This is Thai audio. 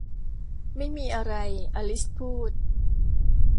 ไม่มีอะไร อลิซพูด